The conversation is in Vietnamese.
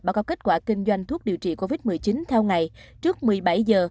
báo cáo kết quả kinh doanh thuốc điều trị covid một mươi chín theo ngày trước một mươi bảy giờ